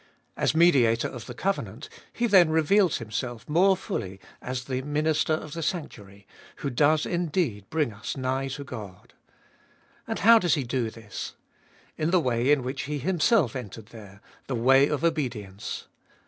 As Mediator of the covenant He then reveals Himself more fully as the Minister of the sanctuary, who does indeed bring us nigh to God. And how does He do this? In the way in which He Himself entered there, the way of obedience.